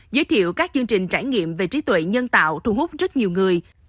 giới thiệu các chương trình trải nghiệm về trí tuệ nhân tạo thu hút rất nhiều người